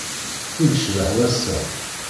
I yecbeḥ wass-a!